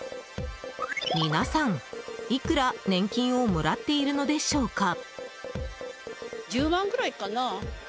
皆さん、いくら年金をもらっているのでしょうか？